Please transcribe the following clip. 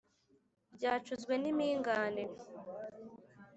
Ryacuzwe n'impingane.